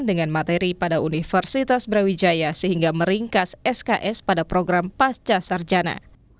dengan materi pada universitas brawijaya sehingga meringkas sks pada program pasca sarjana